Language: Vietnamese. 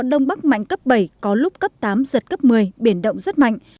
đông bắc mạnh cấp bảy có lúc cấp tám giật cấp một mươi biển động rất mạnh